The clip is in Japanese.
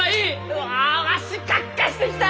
うわわしカッカしてきた！